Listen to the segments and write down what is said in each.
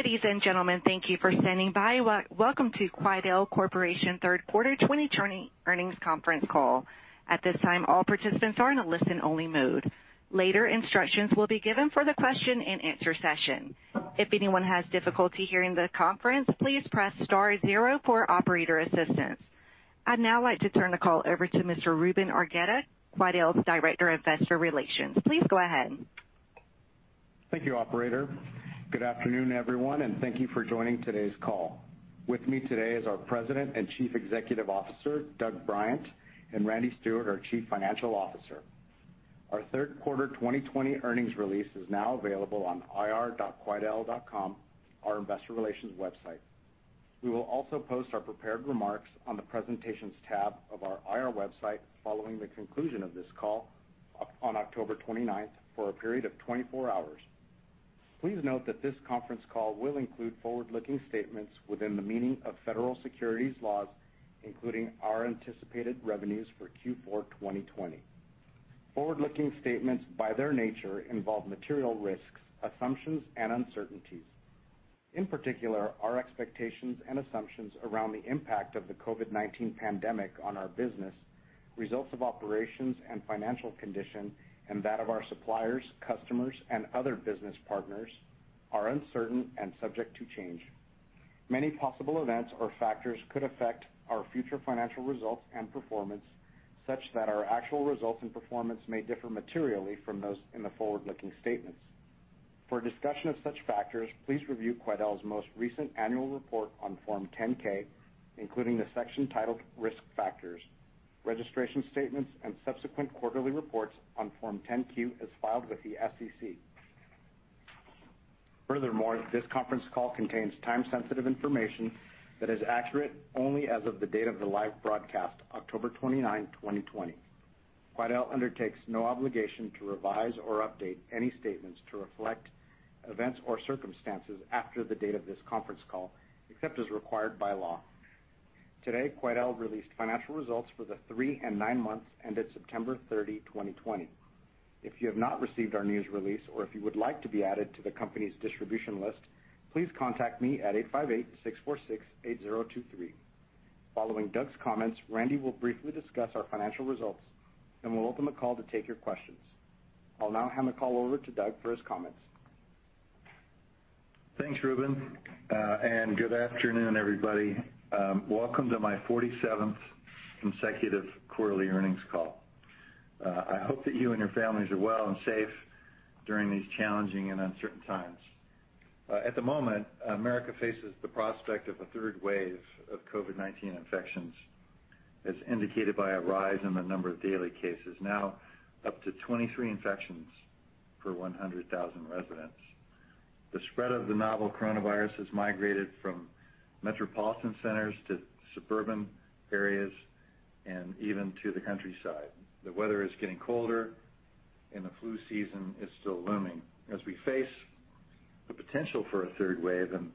Ladies and gentlemen, thank you for standing by. Welcome to Quidel Corporation third quarter 2020 earnings conference call. At this time, all participants are in a listen-only mode. Later instructions will be given for the question-and-answer session. If anyone has difficulty hearing the conference, please press star zero for operator assistance. I'd now like to turn the call over to Mr. Ruben Argueta, Quidel's Director of Investor Relations. Please go ahead. Thank you, operator. Good afternoon, everyone, and thank you for joining today's call. With me today is our President and Chief Executive Officer, Doug Bryant, and Randy Steward, our Chief Financial Officer. Our third quarter 2020 earnings release is now available on ir.quidel.com, our investor relations website. We will also post our prepared remarks on the presentations tab of our IR website following the conclusion of this call on October 29th, for a period of 24 hours. Please note that this conference call will include forward-looking statements within the meaning of federal securities laws, including our anticipated revenues for Q4 2020. Forward-looking statements, by their nature, involve material risks, assumptions, and uncertainties. In particular, our expectations and assumptions around the impact of the COVID-19 pandemic on our business, results of operations and financial condition, and that of our suppliers, customers, and other business partners are uncertain and subject to change. Many possible events or factors could affect our future financial results and performance, such that our actual results and performance may differ materially from those in the forward-looking statements. For a discussion of such factors, please review Quidel's most recent annual report on Form 10-K, including the section titled Risk Factors, registration statements, and subsequent quarterly reports on Form 10-Q, as filed with the SEC. Furthermore, this conference call contains time-sensitive information that is accurate only as of the date of the live broadcast, October 29, 2020. Quidel undertakes no obligation to revise or update any statements to reflect events or circumstances after the date of this conference call, except as required by law. Today, Quidel released financial results for the three and nine months ended September 30, 2020. If you have not received our news release, or if you would like to be added to the company's distribution list, please contact me at 858-646-8023. Following Doug's comments, Randy will briefly discuss our financial results, then we'll open the call to take your questions. I'll now hand the call over to Doug for his comments. Thanks, Ruben, and good afternoon, everybody. Welcome to my 47th consecutive quarterly earnings call. I hope that you and your families are well and safe during these challenging and uncertain times. At the moment, America faces the prospect of a third wave of COVID-19 infections, as indicated by a rise in the number of daily cases, now up to 23 infections per 100,000 residents. The spread of the novel coronavirus has migrated from metropolitan centers to suburban areas and even to the countryside. The weather is getting colder, and the flu season is still looming. As we face the potential for a third wave and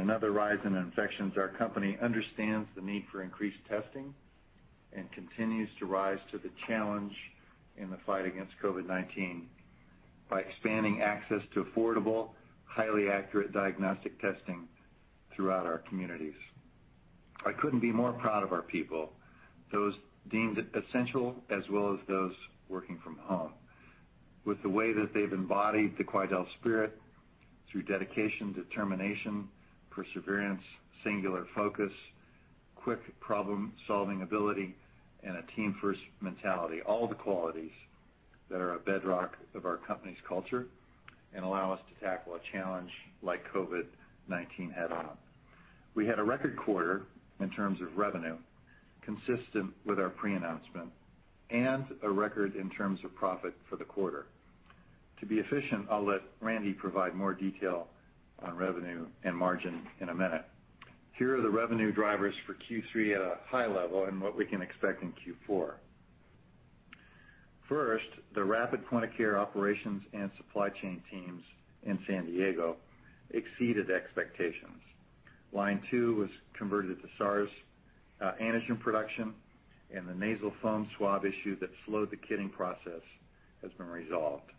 another rise in infections, our company understands the need for increased testing and continues to rise to the challenge in the fight against COVID-19 by expanding access to affordable, highly accurate diagnostic testing throughout our communities. I couldn't be more proud of our people, those deemed essential as well as those working from home, with the way that they've embodied the Quidel spirit through dedication, determination, perseverance, singular focus, quick problem-solving ability, and a team-first mentality, all the qualities that are a bedrock of our company's culture and allow us to tackle a challenge like COVID-19 head-on. We had a record quarter in terms of revenue, consistent with our pre-announcement, and a record in terms of profit for the quarter. To be efficient, I'll let Randy provide more detail on revenue and margin in a minute. Here are the revenue drivers for Q3 at a high level and what we can expect in Q4. First, the rapid point-of-care operations and supply chain teams in San Diego exceeded expectations. Line two was converted to SARS antigen production, and the nasal foam swab issue that slowed the kitting process has been resolved,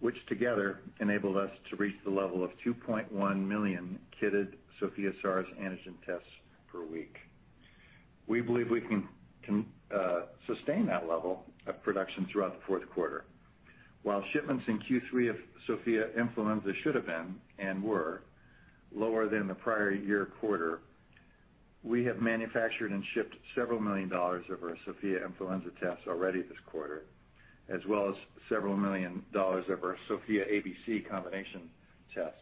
which together enabled us to reach the level of 2.1 million kitted Sofia SARS antigen tests per week. We believe we can sustain that level of production throughout the fourth quarter. While shipments in Q3 of Sofia Influenza should have been, and were, lower than the prior year quarter, we have manufactured and shipped several million dollars of our Sofia Influenza tests already this quarter, as well as several million dollars of our Sofia ABC combination tests.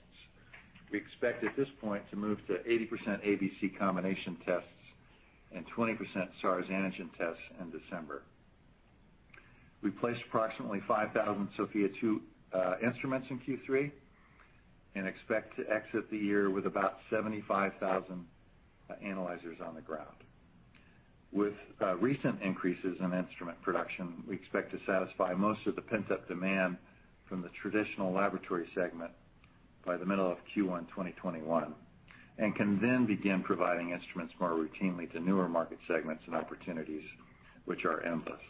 We expect at this point to move to 80% ABC combination tests and 20% SARS antigen tests in December. We placed approximately 5,000 Sofia 2 instruments in Q3 and expect to exit the year with about 75,000 analyzers on the ground. With recent increases in instrument production, we expect to satisfy most of the pent-up demand from the traditional laboratory segment by the middle of Q1 2021 and can then begin providing instruments more routinely to newer market segments and opportunities, which are endless.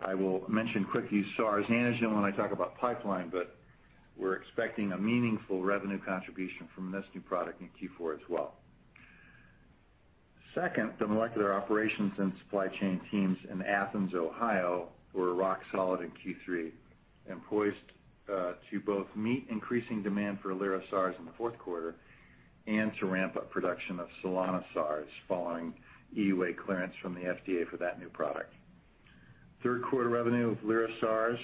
I will mention QuickVue SARS antigen when I talk about pipeline, but we're expecting a meaningful revenue contribution from this new product in Q4 as well. Second, the molecular operations and supply chain teams in Athens, Ohio were rock solid in Q3, and poised to both meet increasing demand for Lyra SARS in the fourth quarter, and to ramp up production of Solana SARS following EUA clearance from the FDA for that new product. Third quarter revenue of Lyra SARS,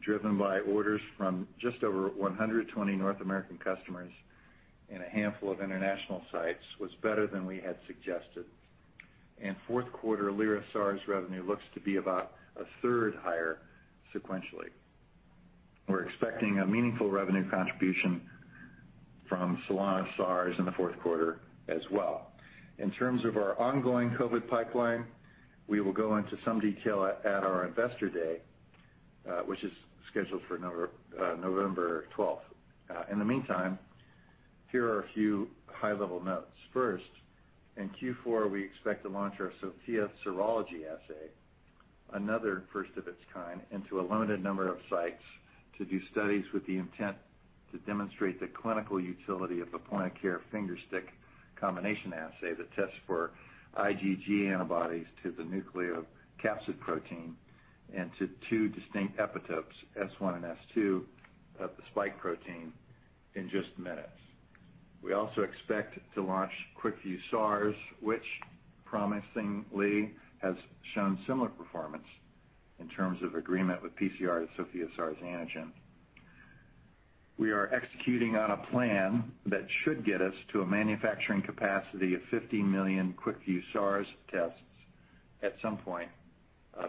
driven by orders from just over 120 North American customers and a handful of international sites, was better than we had suggested. Fourth quarter Lyra SARS revenue looks to be about a third higher sequentially. We're expecting a meaningful revenue contribution from Solana SARS in the fourth quarter as well. In terms of our ongoing COVID pipeline, we will go into some detail at our Investor Day, which is scheduled for November 12th. In the meantime, here are a few high-level notes. First, in Q4, we expect to launch our Sofia Serology assay, another first of its kind, into a limited number of sites to do studies with the intent to demonstrate the clinical utility of the point-of-care finger-stick combination assay that tests for IgG antibodies to the nucleocapsid protein, and to two distinct epitopes, S1 and S2, of the spike protein in just minutes. We also expect to launch QuickVue SARS, which promisingly has shown similar performance in terms of agreement with PCR and Sofia SARS antigen. We are executing on a plan that should get us to a manufacturing capacity of 50 million QuickVue SARS tests at some point,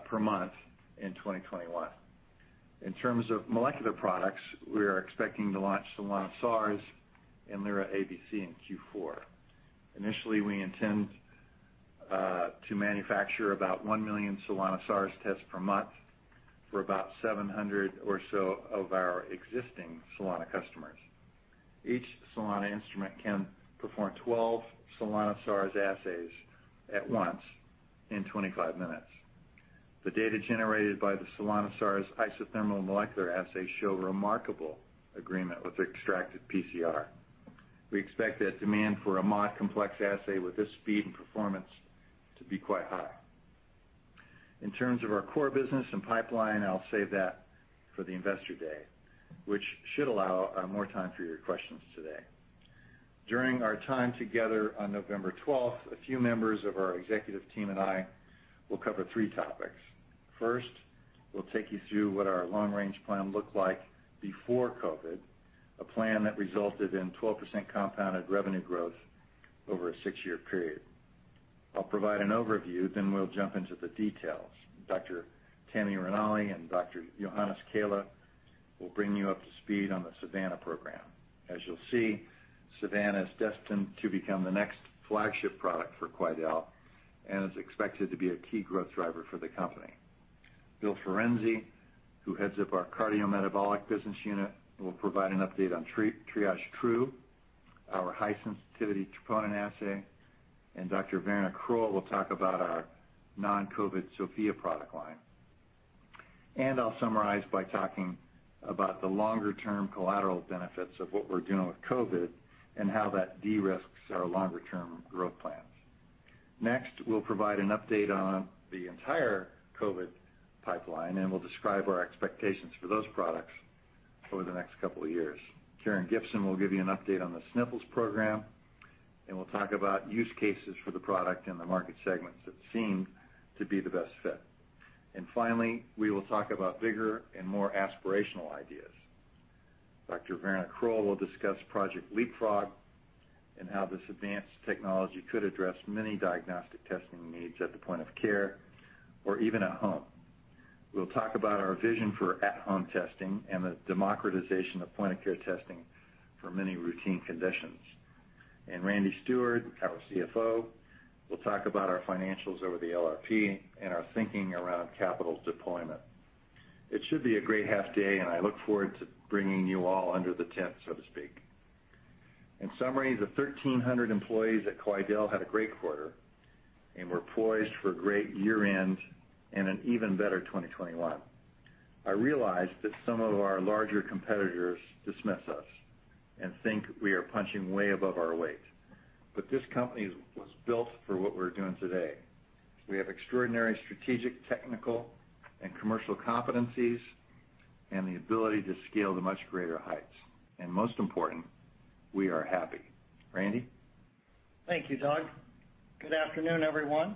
per month in 2021. In terms of molecular products, we are expecting to launch Solana SARS and Lyra ABC in Q4. Initially, we intend to manufacture about one million Solana SARS tests per month for about 700 or so of our existing Solana customers. Each Solana instrument can perform 12 Solana SARS assays at once in 25 minutes. The data generated by the Solana SARS isothermal molecular assay show remarkable agreement with extracted PCR. We expect that demand for a complex assay with this speed and performance to be quite high. In terms of our core business and pipeline, I'll save that for the Investor Day, which should allow more time for your questions today. During our time together on November 12th, a few members of our executive team and I will cover three topics. First, we'll take you through what our long-range plan looked like before COVID, a plan that resulted in 12% compounded revenue growth over a six-year period. I'll provide an overview. We'll jump into the details. Dr. Tammi Ranalli and Dr. Johannes Kehle will bring you up to speed on the Savanna program. As you'll see, Savanna is destined to become the next flagship product for Quidel, and is expected to be a key growth driver for the company. Bill Ferenczy, who heads up our Cardiometabolic Business Unit, will provide an update on TriageTrue, our high-sensitivity troponin assay, and Dr. Werner Kroll will talk about our non-COVID Sofia product line. I'll summarize by talking about the longer-term collateral benefits of what we're doing with COVID, and how that de-risks our longer-term growth plans. Next, we'll provide an update on the entire COVID pipeline, and we'll describe our expectations for those products over the next couple of years. Karen Gibson will give you an update on the Sniffles program, and we'll talk about use cases for the product and the market segments that seem to be the best fit. Finally, we will talk about bigger and more aspirational ideas. Dr. Werner Kroll will discuss Project Leapfrog, and how this advanced technology could address many diagnostic testing needs at the point of care, or even at home. We'll talk about our vision for at-home testing and the democratization of point-of-care testing for many routine conditions. Randy Steward, our CFO, will talk about our financials over the LRP and our thinking around capital deployment. It should be a great half day, and I look forward to bringing you all under the tent, so to speak. In summary, the 1,300 employees at Quidel had a great quarter, and we're poised for a great year-end and an even better 2021. I realize that some of our larger competitors dismiss us and think we are punching way above our weight. This company was built for what we're doing today. We have extraordinary strategic, technical, and commercial competencies, and the ability to scale to much greater heights. Most important, we are happy. Randy. Thank you, Doug. Good afternoon, everyone.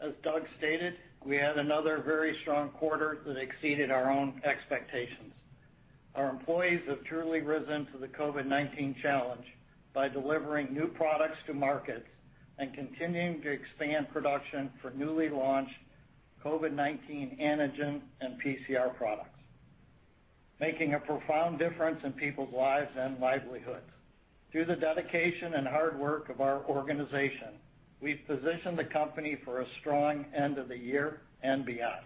As Doug stated, we had another very strong quarter that exceeded our own expectations. Our employees have truly risen to the COVID-19 challenge by delivering new products to markets and continuing to expand production for newly launched COVID-19 antigen and PCR products, making a profound difference in people's lives and livelihoods. Through the dedication and hard work of our organization, we've positioned the company for a strong end of the year and beyond.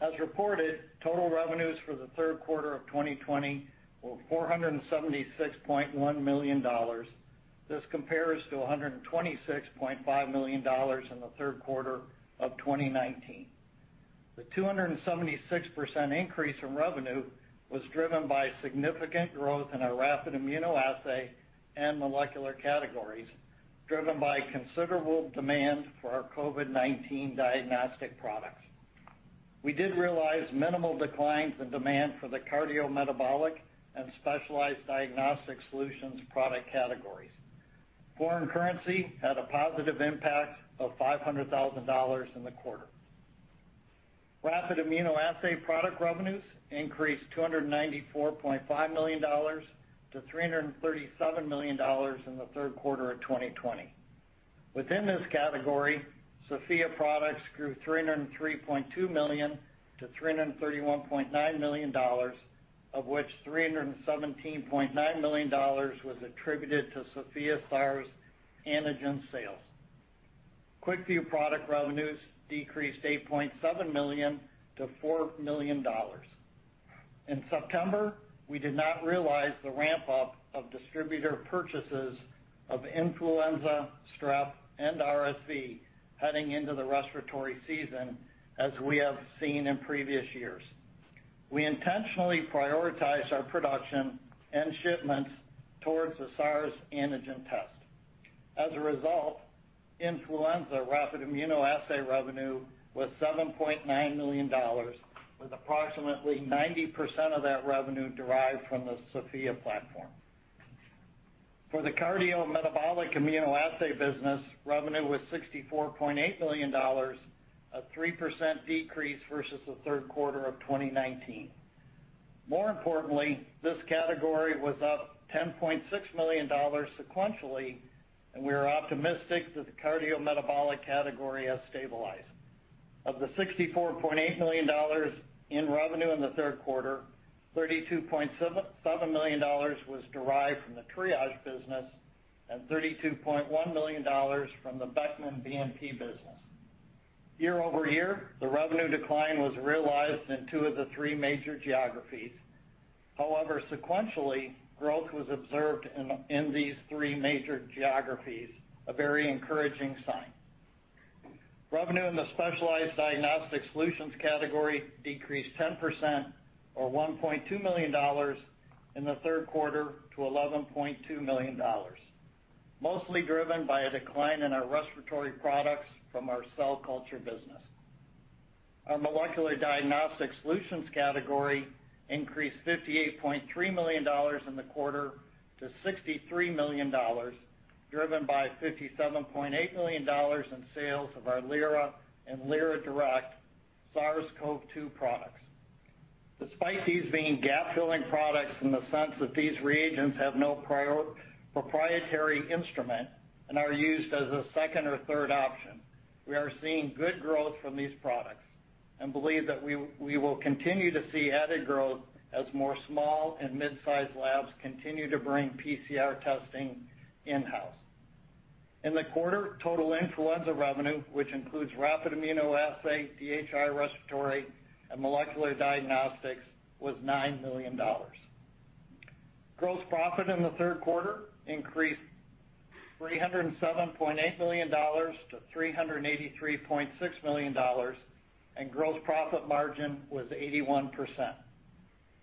As reported, total revenues for the third quarter of 2020 were $476.1 million. This compares to $126.5 million in the third quarter of 2019. The 276% increase in revenue was driven by significant growth in our rapid immunoassay and molecular categories, driven by considerable demand for our COVID-19 diagnostic products. We did realize minimal declines in demand for the cardiometabolic and specialized diagnostic solutions product categories. Foreign currency had a positive impact of $500,000 in the quarter. Rapid immunoassay product revenues increased $294.5 million to $337 million in the third quarter of 2020. Within this category, Sofia products grew from $303.2 million to $331.9 million, of which $317.9 million was attributed to Sofia SARS antigen sales. QuickVue product revenues decreased $8.7 million to $4 million. In September, we did not realize the ramp-up of distributor purchases of influenza, strep, and RSV heading into the respiratory season, as we have seen in previous years. We intentionally prioritize our production and shipments towards the SARS antigen test. As a result, influenza rapid immunoassay revenue was $7.9 million, with approximately 90% of that revenue derived from the Sofia platform. For the cardiometabolic immunoassay business, revenue was $64.8 million, a 3% decrease versus the third quarter of 2019. More importantly, this category was up $10.6 million sequentially, and we are optimistic that the cardiometabolic category has stabilized. Of the $64.8 million in revenue in the third quarter, $32.7 million was derived from the Triage business and $32.1 million from the Beckman BNP business. Year-over-year, the revenue decline was realized in two of the three major geographies. However, sequentially, growth was observed in these three major geographies, a very encouraging sign. Revenue in the specialized diagnostic solutions category decreased 10%, or $1.2 million, in the third quarter to $11.2 million. Mostly driven by a decline in our respiratory products from our cell culture business. Our molecular diagnostic solutions category increased $58.3 million in the quarter to $63 million driven by $57.8 million in sales of our Lyra and Lyra Direct SARS-CoV-2 products. Despite these being gap-filling products in the sense that these reagents have no proprietary instrument and are used as a second or third option, we are seeing good growth from these products and believe that we will continue to see added growth as more small and mid-size labs continue to bring PCR testing in-house. In the quarter, total influenza revenue, which includes rapid immunoassay, DHI respiratory, and molecular diagnostics, was $9 million. Gross profit in the third quarter increased $307.8 million to $383.6 million, and gross profit margin was 81%.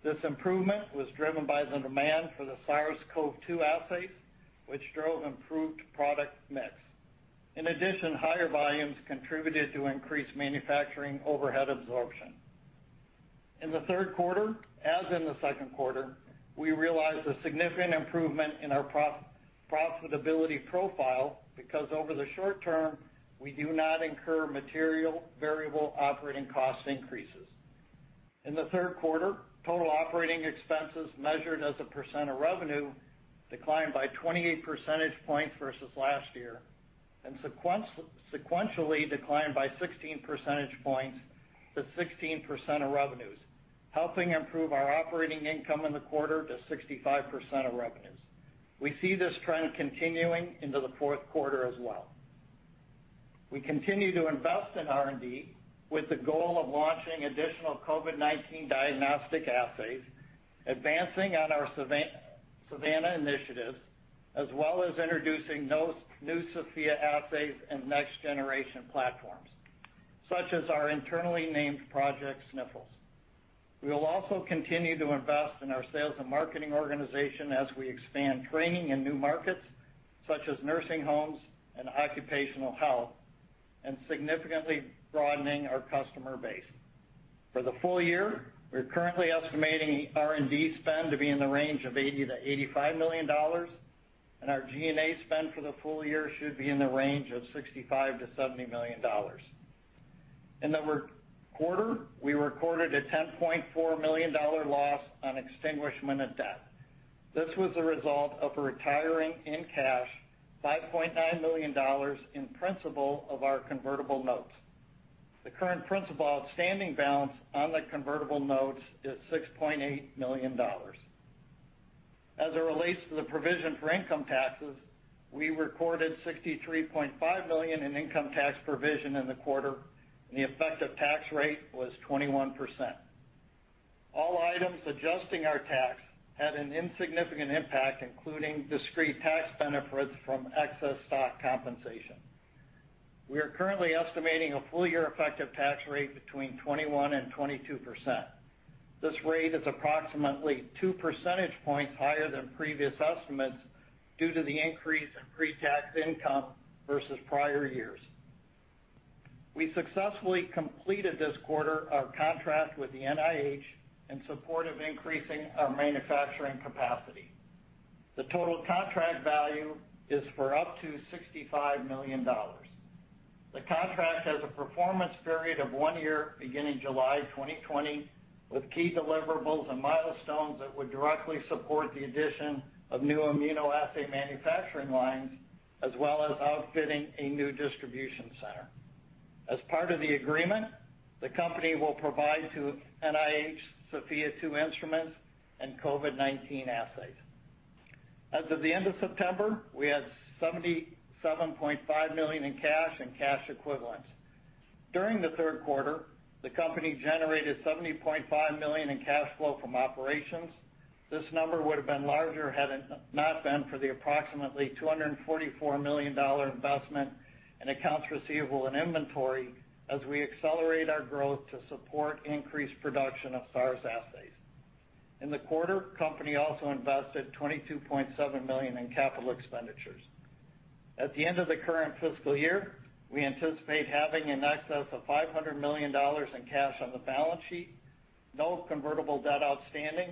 This improvement was driven by the demand for the SARS-CoV-2 assays, which drove improved product mix. In addition, higher volumes contributed to increased manufacturing overhead absorption. In the third quarter, as in the second quarter, we realized a significant improvement in our profitability profile because over the short term, we do not incur material variable operating cost increases. In the third quarter, total operating expenses measured as a percent of revenue declined by 28 percentage points versus last year and sequentially declined by 16 percentage points to 16% of revenues, helping improve our operating income in the quarter to 65% of revenues. We see this trend continuing into the fourth quarter as well. We continue to invest in R&D with the goal of launching additional COVID-19 diagnostic assays, advancing on our Savanna initiatives, as well as introducing new Sofia assays and next generation platforms, such as our internally named Project Sniffles. We will also continue to invest in our sales and marketing organization as we expand training in new markets such as nursing homes and occupational health, and significantly broadening our customer base. For the full year, we're currently estimating R&D spend to be in the range of $80 million-$85 million. Our G&A spend for the full year should be in the range of $65 million-$70 million. In the quarter, we recorded a $10.4 million loss on extinguishment of debt. This was a result of retiring in cash $5.9 million in principal of our convertible notes. The current principal outstanding balance on the convertible notes is $6.8 million. As it relates to the provision for income taxes, we recorded $63.5 million in income tax provision in the quarter. The effective tax rate was 21%. All items adjusting our tax had an insignificant impact, including discrete tax benefits from excess stock compensation. We are currently estimating a full-year effective tax rate between 21% and 22%. This rate is approximately two percentage points higher than previous estimates due to the increase in pre-tax income versus prior years. We successfully completed this quarter our contract with the NIH in support of increasing our manufacturing capacity. The total contract value is for up to $65 million. The contract has a performance period of one year beginning July 2020, with key deliverables and milestones that would directly support the addition of new immunoassay manufacturing lines, as well as outfitting a new distribution center. As part of the agreement, the company will provide to NIH Sofia 2 instruments and COVID-19 assays. As of the end of September, we had $77.5 million in cash and cash equivalents. During the third quarter, the company generated $70.5 million in cash flow from operations. This number would've been larger had it not been for the approximately $244 million investment in accounts receivable and inventory as we accelerate our growth to support increased production of SARS assays. In the quarter, company also invested $22.7 million in capital expenditures. At the end of the current fiscal year, we anticipate having in excess of $500 million in cash on the balance sheet, no convertible debt outstanding,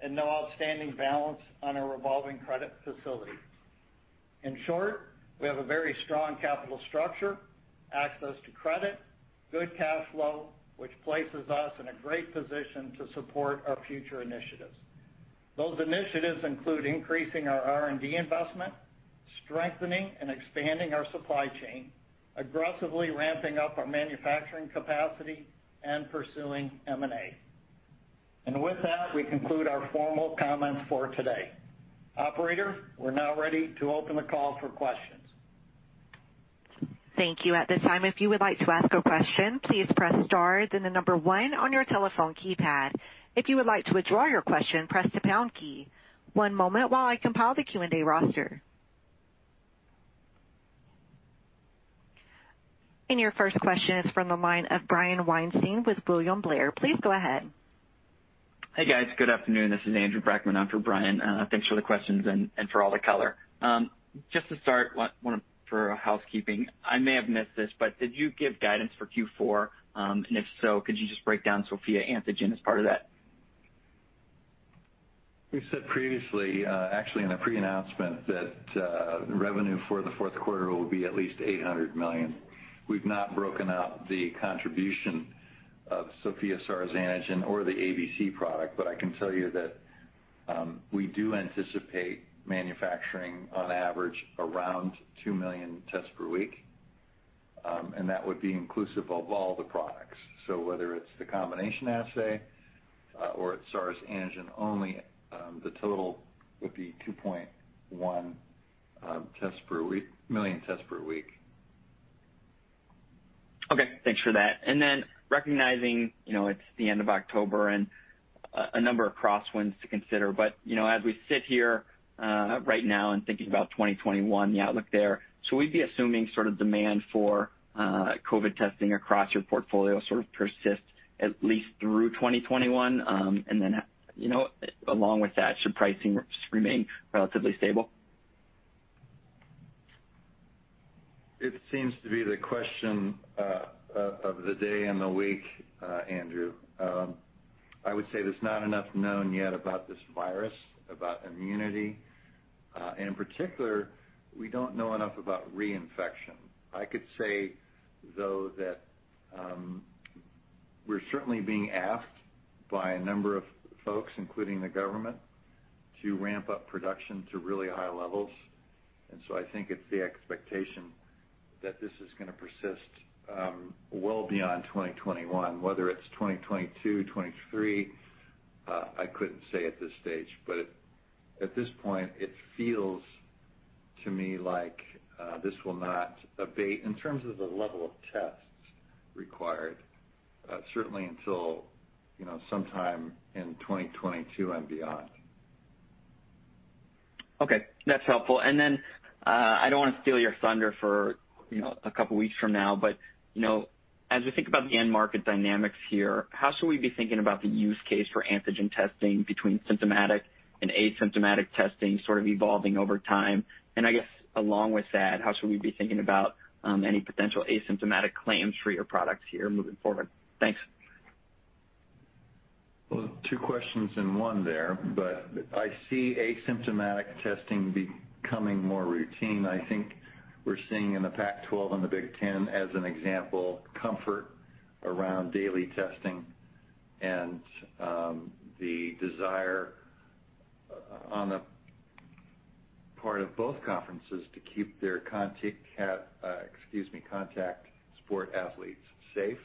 and no outstanding balance on our revolving credit facility. In short, we have a very strong capital structure, access to credit, good cash flow, which places us in a great position to support our future initiatives. Those initiatives include increasing our R&D investment, strengthening and expanding our supply chain, aggressively ramping up our manufacturing capacity, and pursuing M&A. With that, we conclude our formal comments for today. Operator, we're now ready to open the call for questions. Thank you. At this time, if you would like to ask a question, please press star, then the number one on your telephone keypad. If you would like to withdraw your question, press the pound key. One moment while I compile the Q&A roster. Your first question is from the line of Brian Weinstein with William Blair. Please go ahead. Hey, guys. Good afternoon. This is Andrew Brackmann on for Brian. Thanks for the questions and for all the color. Just to start, for housekeeping, I may have missed this, but did you give guidance for Q4? If so, could you just break down Sofia Antigen as part of that? We said previously, actually in the pre-announcement, that revenue for the fourth quarter will be at least $800 million. We've not broken out the contribution of Sofia SARS Antigen or the ABC product, I can tell you that we do anticipate manufacturing on average around two million tests per week, and that would be inclusive of all the products. Whether it's the combination assay or it's SARS Antigen only, the total would be 2.1 million tests per week. Okay, thanks for that. Recognizing it's the end of October and a number of crosswinds to consider, but as we sit here right now and thinking about 2021, the outlook there, should we be assuming sort of demand for COVID testing across your portfolio sort of persist at least through 2021? Along with that, should pricing remain relatively stable? It seems to be the question of the day and the week, Andrew. I would say there's not enough known yet about this virus, about immunity. In particular, we don't know enough about reinfection. I could say, though, that we're certainly being asked by a number of folks, including the government, to ramp up production to really high levels. I think it's the expectation that this is going to persist well beyond 2021, whether it's 2022, 2023, I couldn't say at this stage. At this point, it feels to me like this will not abate in terms of the level of tests required, certainly until sometime in 2022 and beyond. Okay, that's helpful. I don't want to steal your thunder for a couple of weeks from now, but as we think about the end market dynamics here, how should we be thinking about the use case for antigen testing between symptomatic and asymptomatic testing sort of evolving over time? I guess along with that, how should we be thinking about any potential asymptomatic claims for your products here moving forward? Thanks. Well, two questions in one there, but I see asymptomatic testing becoming more routine. I think we're seeing in the Pac-12 and the Big Ten, as an example, comfort around daily testing and the desire on the part of both conferences to keep their contact sport athletes safe.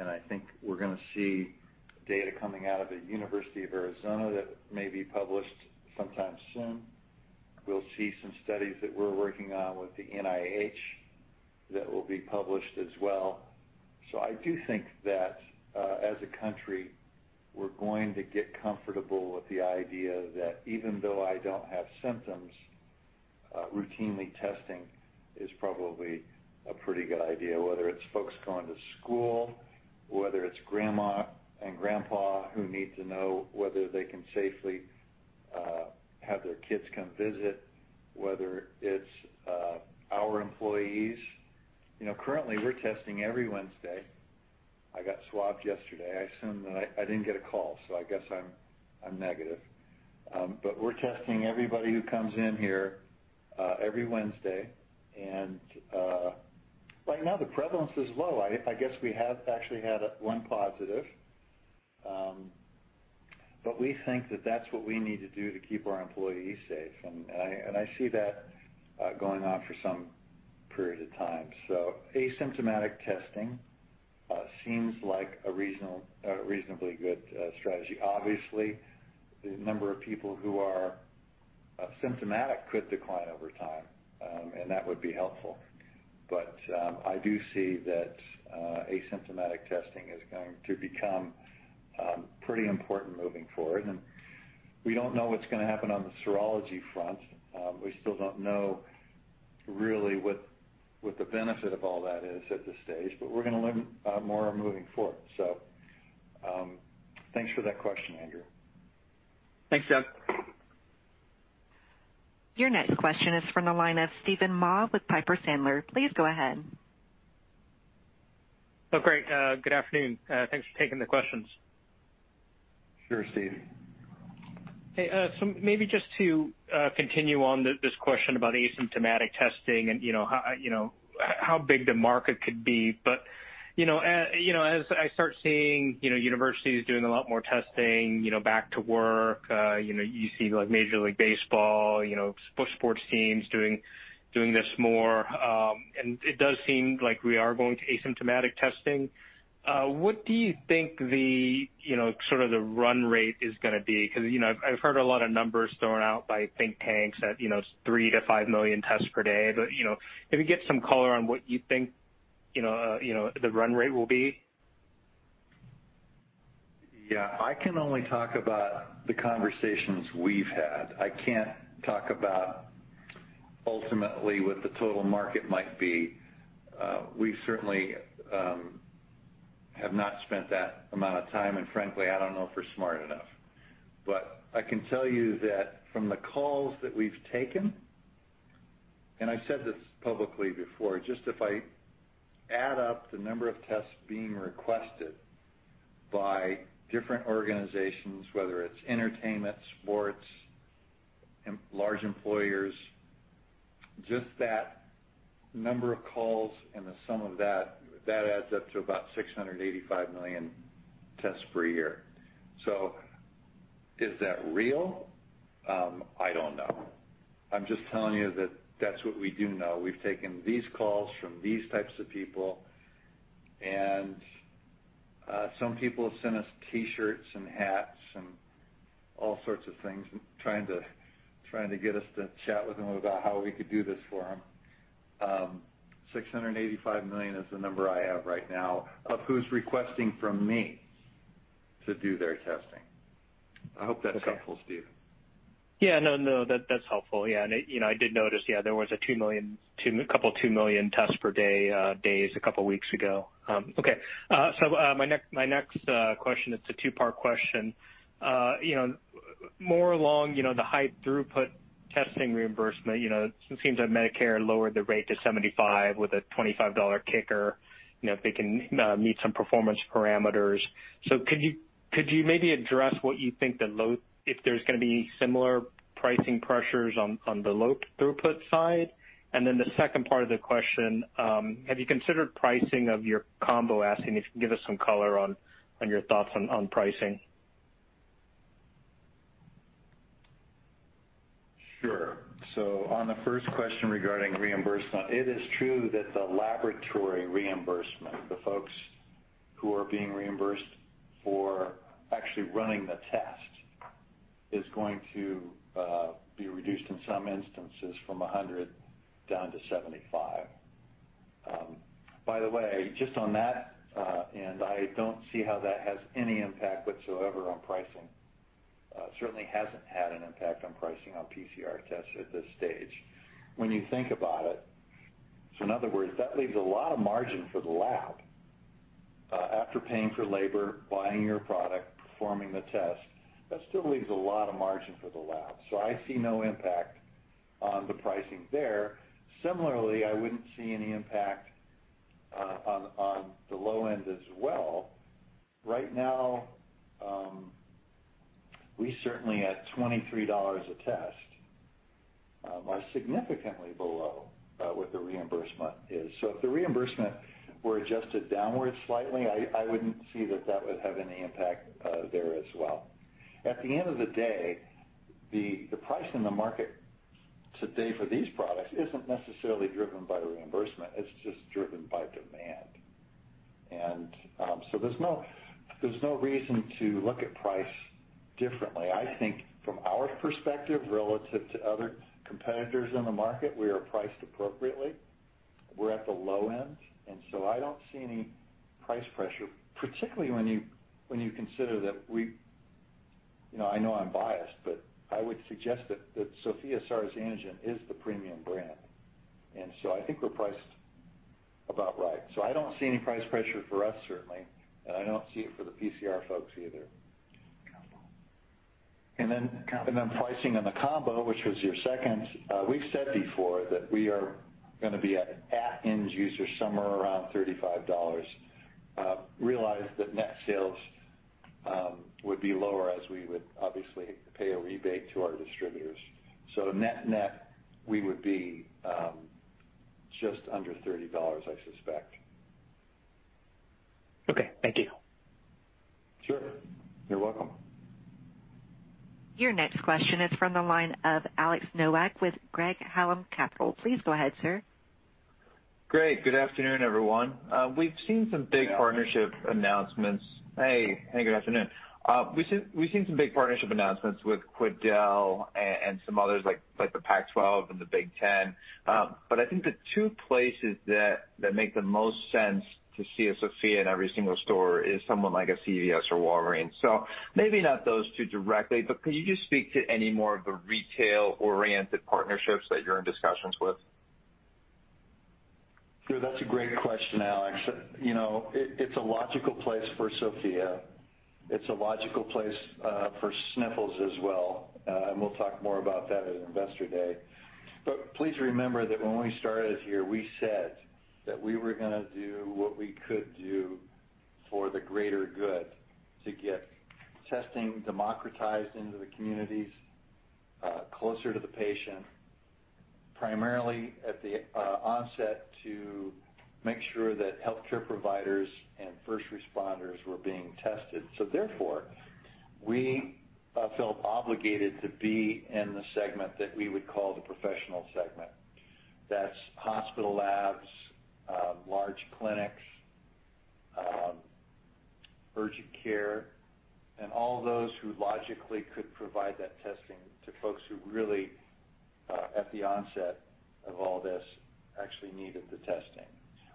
I think we're going to see data coming out of the University of Arizona that may be published sometime soon. We'll see some studies that we're working on with the NIH That will be published as well. I do think that, as a country, we're going to get comfortable with the idea that even though I don't have symptoms, routinely testing is probably a pretty good idea, whether it's folks going to school, whether it's grandma and grandpa who need to know whether they can safely have their kids come visit, whether it's our employees. Currently, we're testing every Wednesday. I got swabbed yesterday. I assumed that I didn't get a call, so I guess I'm negative. We're testing everybody who comes in here every Wednesday, and right now the prevalence is low. I guess we have actually had one positive. We think that that's what we need to do to keep our employees safe, and I see that going on for some period of time. Asymptomatic testing seems like a reasonably good strategy. The number of people who are symptomatic could decline over time, and that would be helpful. I do see that asymptomatic testing is going to become pretty important moving forward. We don't know what's going to happen on the serology front. We still don't know really what the benefit of all that is at this stage, but we're going to learn more moving forward. Thanks for that question, Andrew. Thanks, Doug. Your next question is from the line of Steven Mah with Piper Sandler. Please go ahead. Oh, great. Good afternoon. Thanks for taking the questions. Sure, Steve. Hey, maybe just to continue on this question about asymptomatic testing and how big the market could be. As I start seeing universities doing a lot more testing, back to work, you see Major League Baseball, sports teams doing this more, and it does seem like we are going to asymptomatic testing. What do you think the sort of the run rate is going to be? I've heard a lot of numbers thrown out by think tanks at three million to five million tests per day. If you get some color on what you think the run rate will be. Yeah. I can only talk about the conversations we've had. I can't talk about ultimately what the total market might be. We certainly have not spent that amount of time, and frankly, I don't know if we're smart enough. I can tell you that from the calls that we've taken, and I've said this publicly before, just if I add up the number of tests being requested by different organizations, whether it's entertainment, sports, large employers, just that number of calls and the sum of that adds up to about 685 million tests per year. Is that real? I don't know. I'm just telling you that that's what we do know. We've taken these calls from these types of people, and some people have sent us T-shirts and hats and all sorts of things, trying to get us to chat with them about how we could do this for them. 685 million is the number I have right now of who's requesting from me to do their testing. I hope that's helpful, Steven. Yeah. No, that's helpful. Yeah, and I did notice there was a couple two million tests per day, a couple of weeks ago. My next question, it's a two-part question. More along the high throughput testing reimbursement, it seems that Medicare lowered the rate to $75 with a $25 kicker, if they can meet some performance parameters. Could you maybe address what you think if there's going to be similar pricing pressures on the low throughput side? The second part of the question, have you considered pricing of your combo assay and if you can give us some color on your thoughts on pricing? Sure. On the first question regarding reimbursement, it is true that the laboratory reimbursement, the folks who are being reimbursed for actually running the test, is going to be reduced in some instances from $100 down to $75. By the way, just on that, I don't see how that has any impact whatsoever on pricing. Certainly hasn't had an impact on pricing on PCR tests at this stage. When you think about it, so in other words, that leaves a lot of margin for the lab after paying for labor, buying your product, performing the test, that still leaves a lot of margin for the lab. I see no impact on the pricing there. Similarly, I wouldn't see any impact on the low end as well. Right now, we certainly at $23 a test, are significantly below what the reimbursement is. If the reimbursement were adjusted downwards slightly, I wouldn't see that that would have any impact there as well. At the end of the day, the price in the market today for these products isn't necessarily driven by reimbursement, it's just driven by demand. There's no reason to look at price differently. I think from our perspective, relative to other competitors in the market, we are priced appropriately. We're at the low end, I don't see any price pressure, particularly when you consider that we I know I'm biased, but I would suggest that Sofia SARS antigen is the premium brand. I think we're priced about right. I don't see any price pressure for us, certainly, and I don't see it for the PCR folks either. Combo. Pricing on the combo, which was your second, we've said before that we are going to be at end user somewhere around $35. Realize that net sales would be lower as we would obviously pay a rebate to our distributors. Net-net, we would be just under $30, I suspect. Okay. Thank you. Sure. You're welcome. Your next question is from the line of Alex Nowak with Craig-Hallum Capital Group. Please go ahead, sir. Great. Good afternoon, everyone. We've seen some big partnership announcements- Yeah. Hey, good afternoon. We've seen some big partnership announcements with Quidel and some others like, the Pac-12 and the Big Ten. I think the two places that make the most sense to see a Sofia in every single store is someone like a CVS or Walgreens. Maybe not those two directly, but could you just speak to any more of the retail-oriented partnerships that you're in discussions with? Sure. That's a great question, Alex. It's a logical place for Sofia. It's a logical place for Sniffles as well, and we'll talk more about that at Investor Day. Please remember that when we started here, we said that we were going to do what we could do for the greater good to get testing democratized into the communities, closer to the patient, primarily at the onset to make sure that healthcare providers and first responders were being tested. Therefore, we felt obligated to be in the segment that we would call the professional segment. That's hospital labs, large clinics, urgent care, and all those who logically could provide that testing to folks who really, at the onset of all this, actually needed the testing.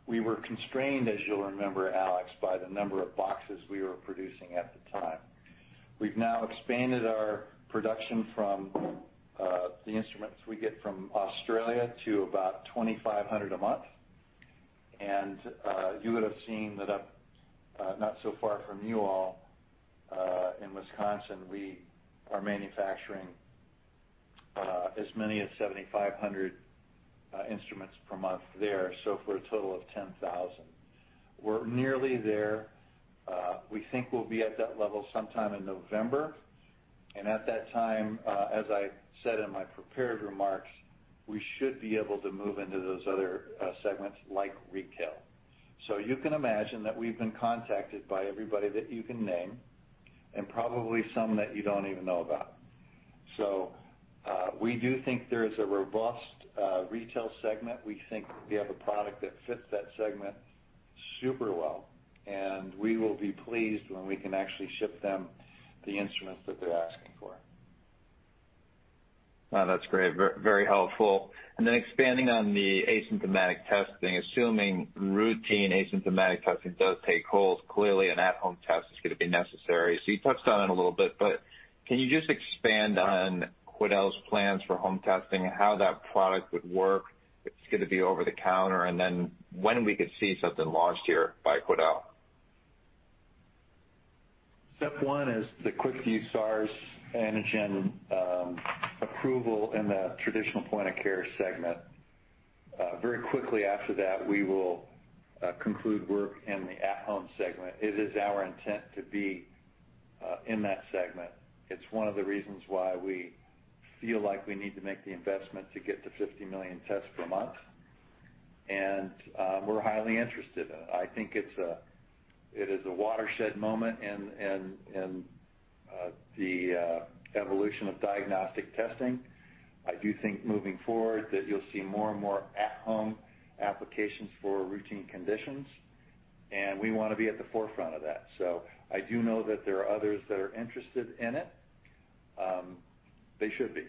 We were constrained, as you'll remember, Alex, by the number of boxes we were producing at the time. We've now expanded our production from the instruments we get from Australia to about 2,500 a month. You would've seen that up, not so far from you all, in Wisconsin, we are manufacturing as many as 7,500 instruments per month there. For a total of 10,000. We're nearly there. We think we'll be at that level sometime in November. At that time, as I said in my prepared remarks, we should be able to move into those other segments like retail. You can imagine that we've been contacted by everybody that you can name and probably some that you don't even know about. We do think there is a robust retail segment. We think we have a product that fits that segment super well, and we will be pleased when we can actually ship them the instruments that they're asking for. No, that's great. Very helpful. Expanding on the asymptomatic testing, assuming routine asymptomatic testing does take hold, clearly an at-home test is going to be necessary. You touched on it a little bit, but can you just expand on Quidel's plans for home testing, how that product would work, if it's going to be over the counter, and then when we could see something launched here by Quidel? Step one is the QuickVue SARS antigen approval in the traditional point-of-care segment. Very quickly after that, we will conclude work in the at-home segment. It is our intent to be in that segment. It's one of the reasons why we feel like we need to make the investment to get to 50 million tests per month, and we're highly interested in it. I think it is a watershed moment in the evolution of diagnostic testing. I do think moving forward that you'll see more and more at-home applications for routine conditions, and we want to be at the forefront of that. I do know that there are others that are interested in it. They should be.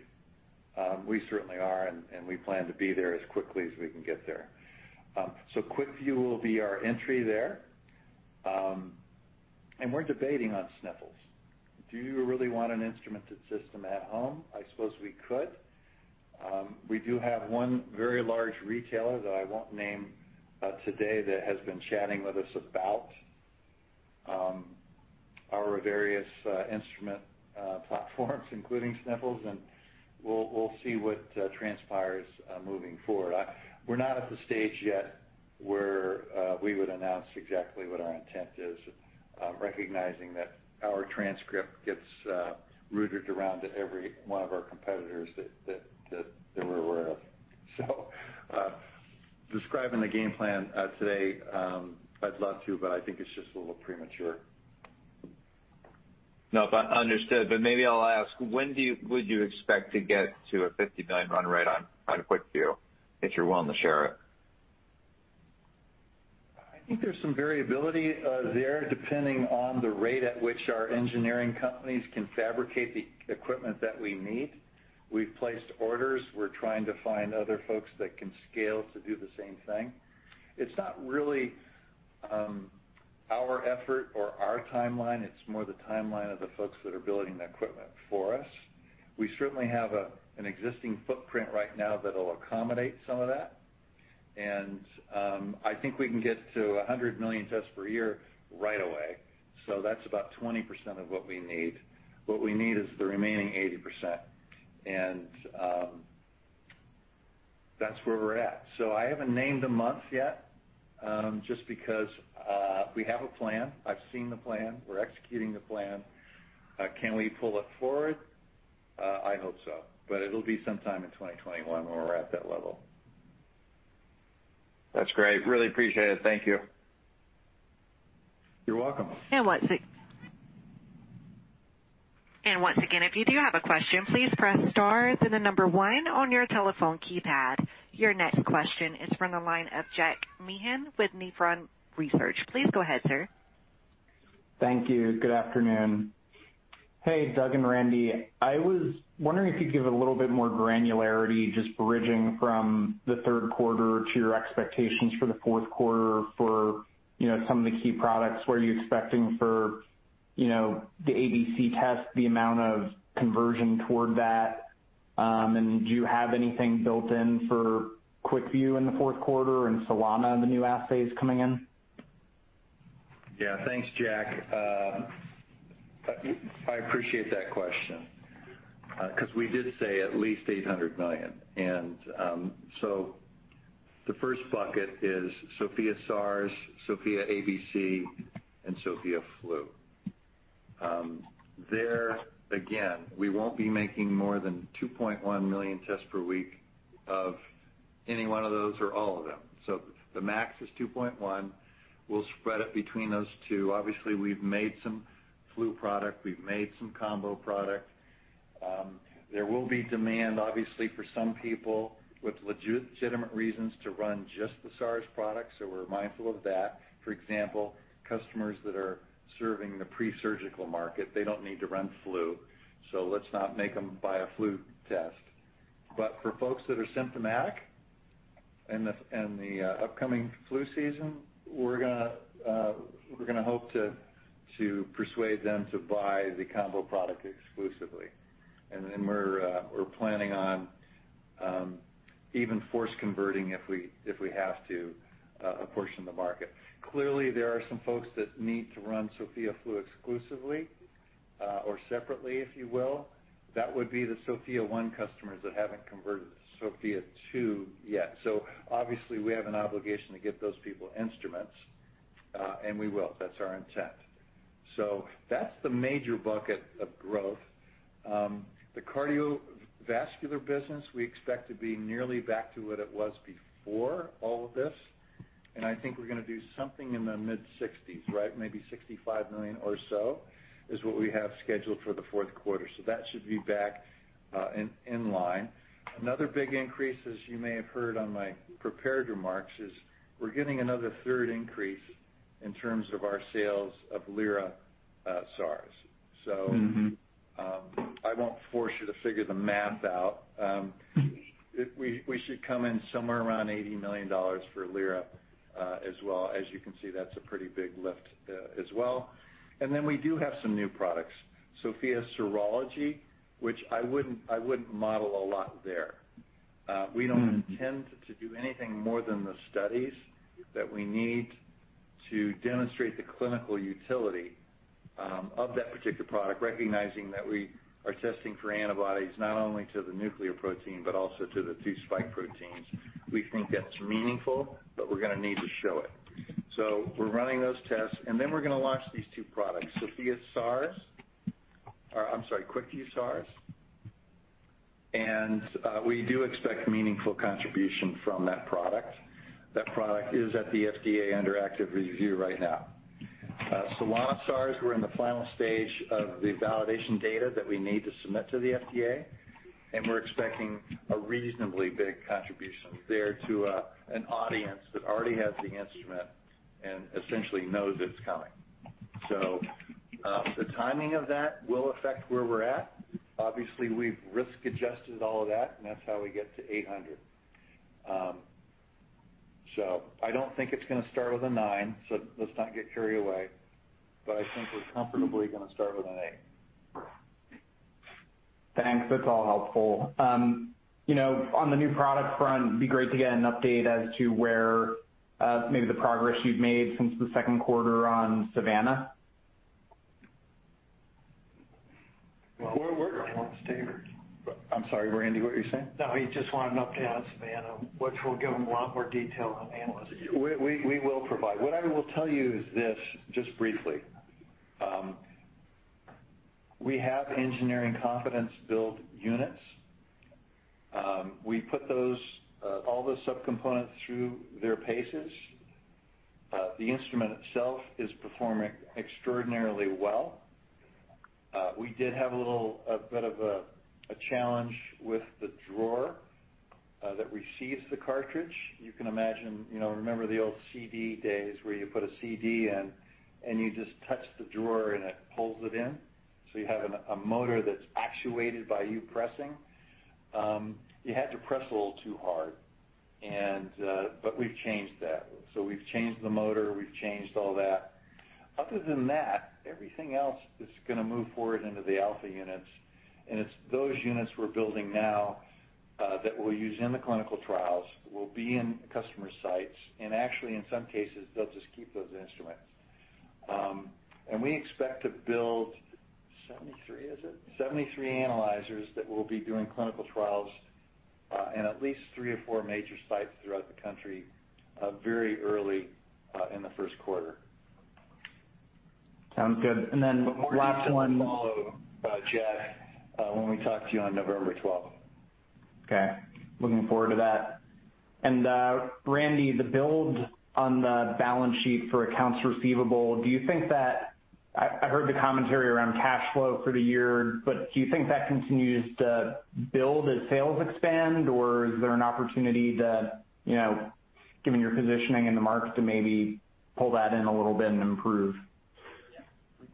We certainly are, and we plan to be there as quickly as we can get there. QuickVue will be our entry there. We're debating on Sniffles. Do you really want an instrumented system at home? I suppose we could. We do have one very large retailer that I won't name today that has been chatting with us about our various instrument platforms, including Sniffles, and we'll see what transpires moving forward. We're not at the stage yet where we would announce exactly what our intent is, recognizing that our transcript gets routed around at every one of our competitors that we're aware of. Describing the game plan today, I'd love to, but I think it's just a little premature. No, but understood. Maybe I'll ask, when would you expect to get to a $50 million run rate on QuickVue, if you're willing to share it? I think there's some variability there, depending on the rate at which our engineering companies can fabricate the equipment that we need. We've placed orders. We're trying to find other folks that can scale to do the same thing. It's not really our effort or our timeline. It's more the timeline of the folks that are building the equipment for us. We certainly have an existing footprint right now that'll accommodate some of that. I think we can get to 100 million tests per year right away, so that's about 20% of what we need. What we need is the remaining 80%, and that's where we're at. I haven't named a month yet, just because we have a plan. I've seen the plan. We're executing the plan. Can we pull it forward? I hope so. It'll be sometime in 2021 when we're at that level. That's great. Really appreciate it. Thank you. You're welcome. Once again, if you do have a question, please press star, then the number one on your telephone keypad. Your next question is from the line of Jack Meehan with Nephron Research. Please go ahead, sir. Thank you. Good afternoon. Hey, Doug and Randy. I was wondering if you'd give a little bit more granularity, just bridging from the third quarter to your expectations for the fourth quarter for some of the key products. What are you expecting for the ABC test, the amount of conversion toward that? Do you have anything built in for QuickVue in the fourth quarter and Solana, the new assays coming in? Yeah, thanks, Jack. I appreciate that question. Because we did say at least $800 million. The first bucket is Sofia SARS, Sofia ABC, and Sofia Influenza. There, again, we won't be making more than 2.1 million tests per week of any one of those or all of them. The max is 2.1 million. We'll spread it between those two. Obviously, we've made some flu product. We've made some combo product. There will be demand, obviously, for some people with legitimate reasons to run just the SARS product, so we're mindful of that. For example, customers that are serving the pre-surgical market, they don't need to run flu, so let's not make them buy a flu test. For folks that are symptomatic in the upcoming flu season, we're going to hope to persuade them to buy the combo product exclusively. We are planning on even force converting, if we have to, a portion of the market. Clearly, there are some folks that need to run Sofia Influenza exclusively, or separately, if you will. That would be the Sofia 1 customers that haven't converted to Sofia 2 yet. Obviously, we have an obligation to get those people instruments, and we will. That's our intent. That's the major bucket of growth. The cardiovascular business, we expect to be nearly back to what it was before all of this, and I think we're going to do something in the mid-$60s, right? Maybe $65 million or so is what we have scheduled for the fourth quarter. That should be back in line. Another big increase, as you may have heard on my prepared remarks, is we're getting another third increase in terms of our sales of Lyra SARS. I won't force you to figure the math out. We should come in somewhere around $80 million for Lyra as well. As you can see, that's a pretty big lift as well. We do have some new products. Sofia Serology, which I wouldn't model a lot there. We don't intend to do anything more than the studies that we need to demonstrate the clinical utility of that particular product, recognizing that we are testing for antibodies, not only to the nucleoprotein, but also to the two spike proteins. We think that's meaningful, but we're going to need to show it. We're running those tests. We're going to launch these two products, QuickVue SARS, and we do expect meaningful contribution from that product. That product is at the FDA under active review right now. Solana SARS, we're in the final stage of the validation data that we need to submit to the FDA. We're expecting a reasonably big contribution there to an audience that already has the instrument and essentially knows it's coming. The timing of that will affect where we're at. Obviously, we've risk-adjusted all of that, and that's how we get to 800. I don't think it's going to start with a nine, so let's not get carried away, but I think we're comfortably going to start with an eight. Thanks. That's all helpful. On the new product front, it'd be great to get an update as to where maybe the progress you've made since the second quarter on Savanna. Well, we're- He wants to hear. I'm sorry, Randy, what were you saying? No, he just wanted an update on Savanna, which we'll give in a lot more detail on the analyst. We will provide. What I will tell you is this, just briefly. We have engineering confidence build units. We put all the sub-components through their paces. The instrument itself is performing extraordinarily well. We did have a little bit of a challenge with the drawer that receives the cartridge. You can imagine, remember the old CD days where you put a CD in and you just touch the drawer, and it pulls it in. You have a motor that's actuated by you pressing. You had to press a little too hard. We've changed that. We've changed the motor, we've changed all that. Other than that, everything else is going to move forward into the alpha units, and it's those units we're building now that we'll use in the clinical trials, will be in customer sites, and actually, in some cases, they'll just keep those instruments. We expect to build 73, is it? 73 analyzers that will be doing clinical trials in at least three or four major sites throughout the country very early in the first quarter. Sounds good. More details to follow, Jack, when we talk to you on November 12th. Okay. Looking forward to that. Randy, the build on the balance sheet for accounts receivable, I heard the commentary around cash flow for the year, but do you think that continues to build as sales expand, or is there an opportunity to, given your positioning in the market, to maybe pull that in a little bit and improve?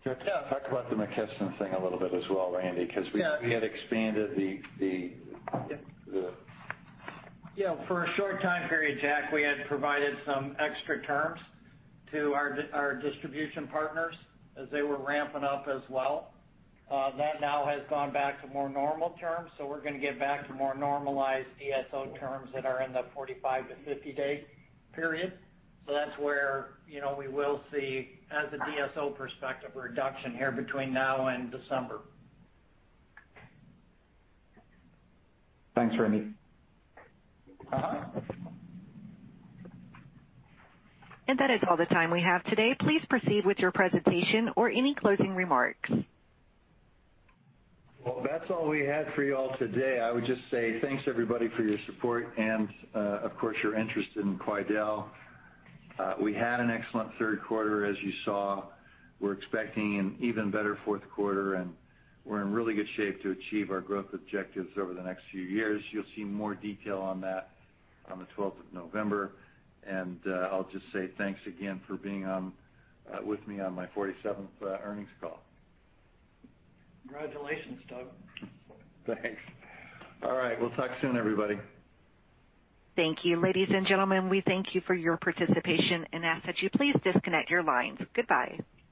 Jack, talk about the McKesson thing a little bit as well, Randy, because we had expanded. Yeah. For a short time period, Jack, we had provided some extra terms to our distribution partners as they were ramping up as well. That now has gone back to more normal terms, we're going to get back to more normalized DSO terms that are in the 45- to 50-day period. That's where we will see, as a DSO perspective, a reduction here between now and December. Thanks, Randy. That is all the time we have today. Please proceed with your presentation or any closing remarks. Well, that's all we had for you all today. I would just say, thanks, everybody, for your support and, of course, your interest in Quidel. We had an excellent third quarter, as you saw. We're expecting an even better fourth quarter, and we're in really good shape to achieve our growth objectives over the next few years. You'll see more detail on that on the 12th of November, and I'll just say thanks again for being with me on my 47th earnings call. Congratulations, Doug. Thanks. All right, we'll talk soon, everybody. Thank you. Ladies and gentlemen, we thank you for your participation and ask that you please disconnect your lines. Goodbye.